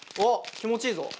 気持ちいいぞ！